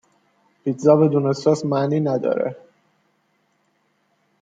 پیتزا بدون سس معنی ندارد